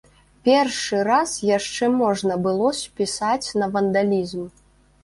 Першы раз яшчэ можна было спісаць на вандалізм.